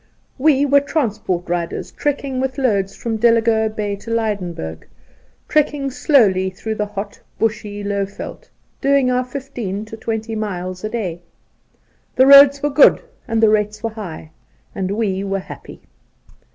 We were transport riders trekking with loads from Delagoa Bay to Lydenburg, trekking slowly through the hot, bushy, low veld, doing our fifteen to twenty miles a day. The roads were good and the rates were high, and we were happy.